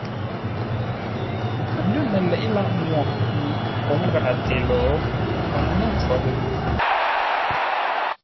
Lə̂ məleʼé lâʼ mwo mi ə́ pǒŋ gháʼate lo, paghʼə ŋə̂ nkhwo lə́.